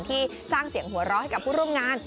ที่สร้างเสียงหัวเราะให้กับผู้ร่วมงาน